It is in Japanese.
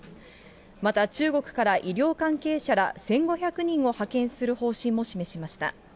また中国から医療関係者ら１５００人を派遣する方針も示しました。